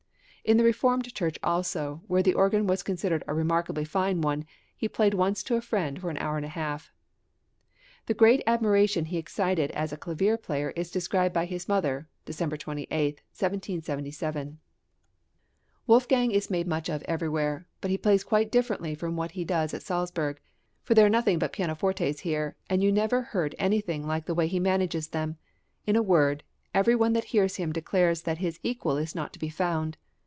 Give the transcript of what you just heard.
In the Reformed Church also, where the organ was considered a remarkably fine one, he once played to a friend for an hour and a half. The great admiration he excited as a clavier player is described by his mother (December 28, 1777): Wolfgang is made much of everywhere; but he plays quite differently from what he does at Salzburg, for there are nothing but pianofortes here, and you never heard anything like the way he manages them; in a word, every one that hears him declares that his equal is not to be found.